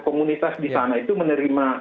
komunitas di sana itu menerima